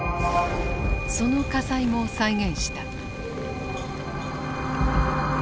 その火災も再現した。